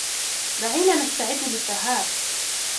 دعينا نستعد للذهاب.